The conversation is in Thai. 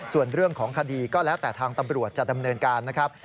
ส่วนเรื่องของคดีก็แล้วแต่ทางตำรวจจะดำเนินการนะครับ